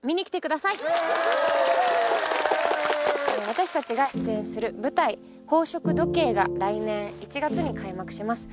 私たちが出演する舞台「宝飾時計」が来年１月に開幕します